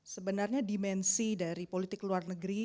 sebenarnya dimensi dari politik luar negeri